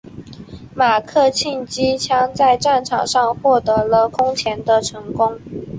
马克沁机枪在战场上获得了空前的成功。